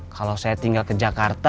kalau saya tinggal ke jakarta